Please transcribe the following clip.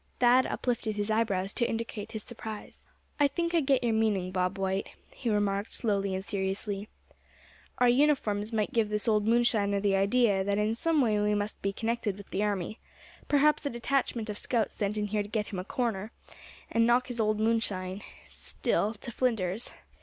Thad uplifted his eyebrows to indicate his surprise. "I think I get your meaning, Bob White," he remarked, slowly and seriously. "Our uniforms might give this old moonshiner the idea that in some way we must be connected with the army; perhaps a detachment of scouts sent in here to get him in a corner, and knock his old moonshine Still, to flinders.